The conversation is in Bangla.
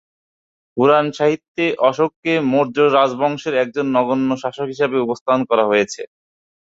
পুরাণ সাহিত্যে অশোককে মৌর্য রাজবংশের একজন নগণ্য শাসক হিসেবে উপস্থাপন করা হয়েছে।